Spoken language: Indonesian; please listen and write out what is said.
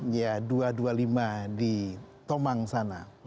ya dua ratus dua puluh lima di tomang sana